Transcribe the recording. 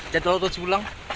jadwal autopsi ulang